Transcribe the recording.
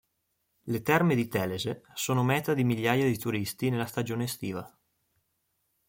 Le Terme di Telese sono meta di migliaia di turisti nella stagione estiva.